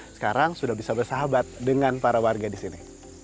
sekarang sudah bisa bersahabat dengan para warga di sini